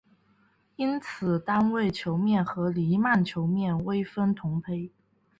因此单位球面和黎曼球面微分同胚。